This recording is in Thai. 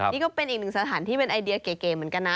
นี่ก็เป็นอีกหนึ่งสถานที่เป็นไอเดียเก๋เหมือนกันนะ